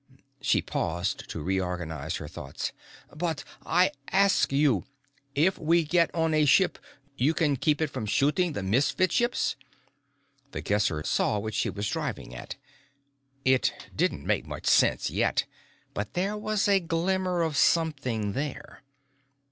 She paused to reorganize her thoughts. "But I ask you: if we get on a ship, you can keep it from shooting the Misfit ships?" The Guesser saw what she was driving at. It didn't make much sense yet, but there was a glimmer of something there.